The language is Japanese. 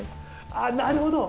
ああ、なるほど。